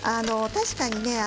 確かにね。